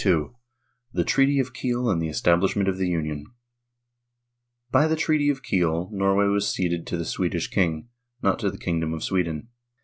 II THE TREATY OF KIEL AND THE ESTABLISHMENT OF THE UNION BY the Treaty of Kiel Norway was ceded to the Swedish king not to the kingdom of Sweden.